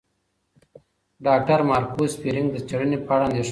ډاکټر مارکو سپرینګ د څېړنې په اړه اندېښمن دی.